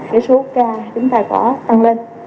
bộ ca chúng ta có tăng lên